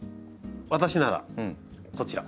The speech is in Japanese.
私ならこちら！